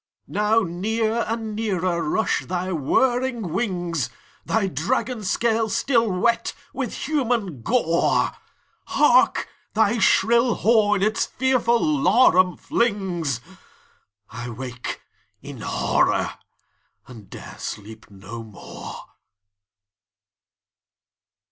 Now near and nearer rush thy whirring wings, Thy dragon scales still wet with human gore. Hark, thy shrill horn its fearful laram flings! —I wake in horror, and 'dare sleep no more!